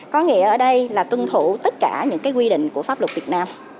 có nghĩa ở đây là tuân thủ tất cả những quy định của pháp luật việt nam